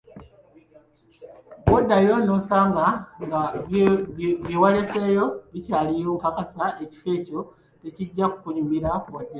Bw‘oddayo n‘osanga nga byewaleseeyo bikyaliyo, nkakasa ekifo ekyo tekijja kukunyumira wadde nakamu.